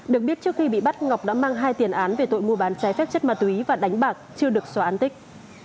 được biết trước khi bị bắt ngọc đã mang hai tiền án về tội mua bán trái phép chất ma túy và đánh bạc chưa được xóa án tích